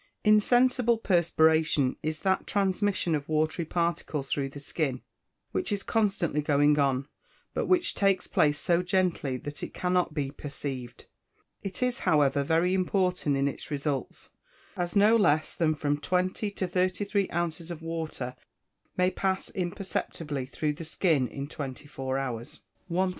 _ Insensible perspiration is that transmission of watery particles through the skin which is constantly going on, but which takes place so gently that it cannot be perceived. It is, however, very important in its results, as no less than from twenty to thirty three ounces of water may pass imperceptibly through the skin in twenty four hours. 1012.